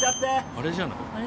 あれじゃない？